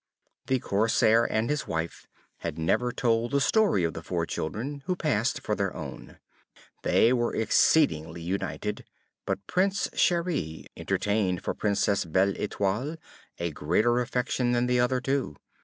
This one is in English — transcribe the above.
The Corsair and his wife had never told the story of the four children, who passed for their own. They were exceedingly united, but Prince Cheri entertained for Princess Belle Etoile a greater affection than the other two.